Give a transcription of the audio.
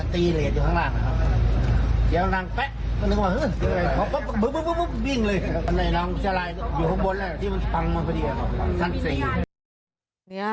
ทั้งสี่